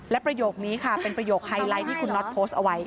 และประโยคนี้ค่ะเป็นประโยคไฮไลท์ที่คุณน็อตโพสต์เอาไว้